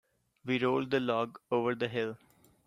We rolled the log over the hill.